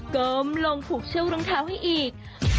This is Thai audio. เกิมลงผูกเชี่ยวรองเท้าให้อีก